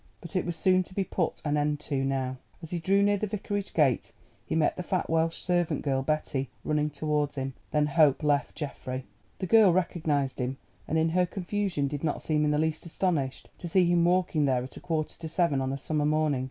But it was soon to be put an end to now. As he drew near the Vicarage gate he met the fat Welsh servant girl Betty running towards him. Then hope left Geoffrey. The girl recognised him, and in her confusion did not seem in the least astonished to see him walking there at a quarter to seven on a summer morning.